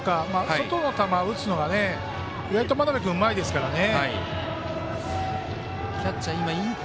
外の球打つのが真鍋君うまいですからね。